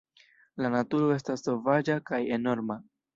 La naturo estas sovaĝa kaj enorma.